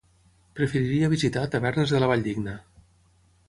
Preferiria visitar Tavernes de la Valldigna.